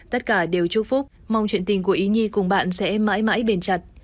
tất cả đều chúc phúc mong chuyện tình của ý nhi cùng bạn sẽ mãi mãi bền chặt